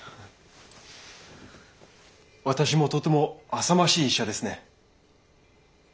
私もとてもあさましい医者ですね。